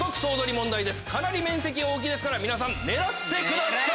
かなり面積大きいですから皆さん狙ってください！